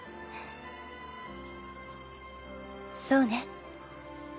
そうね。